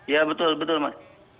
ya betul betul mas